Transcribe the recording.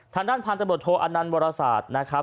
ทางด้านพาณธรรมดโทอนันวรษาทนะครับ